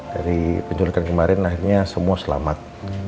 dari penculikan kemarin akhirnya semua selamat